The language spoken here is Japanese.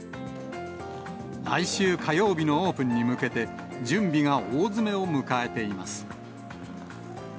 来週火曜日のオープンに向けて、準備が大詰めを迎えています。